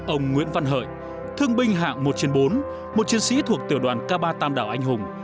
ông nguyễn văn hợi thương binh hạng một trên bốn một chiến sĩ thuộc tiểu đoàn k ba tam đảo anh hùng